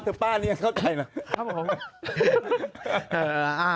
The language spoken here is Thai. พัทธรป้าเนี่ยเข้าใจนะ